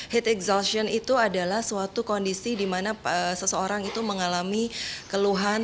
heat exhaustion itu adalah suatu kondisi di mana seseorang itu mengalami keluhan